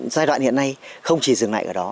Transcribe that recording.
giai đoạn hiện nay không chỉ dừng lại ở đó